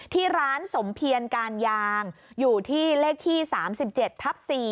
ที่ร้านสมเพียรการยางอยู่ที่เลขที่๓๗ทับ๔